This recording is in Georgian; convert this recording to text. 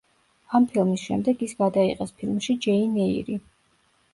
ამ ფილმის შემდეგ ის გადაიღეს ფილმში „ჯეინ ეირი“.